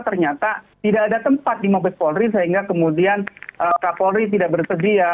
ternyata tidak ada tempat di mobet polri sehingga kemudian kak polri tidak bersedia